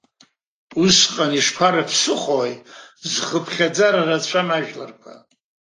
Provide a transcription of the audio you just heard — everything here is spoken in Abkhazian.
Усҟан ишԥарыԥсыхәои зхыԥхьаӡара рацәам ажәларқәа?